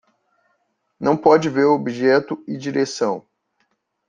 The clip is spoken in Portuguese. Não pode ver o objetivo e direção